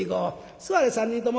座れ３人とも。